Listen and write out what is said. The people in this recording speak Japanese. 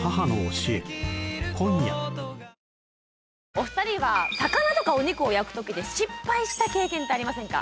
お二人は魚とかお肉を焼く時で失敗した経験ってありませんか？